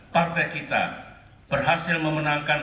partai kita berhasil memenangkan